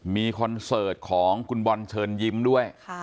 มีคอนเสิร์ตของคุณบอลเชิญยิ้มด้วย